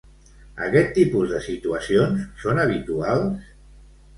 Aquest tipus de situacions són habituals?